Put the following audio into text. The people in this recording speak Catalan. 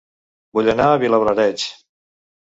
Vull anar a Vilablareix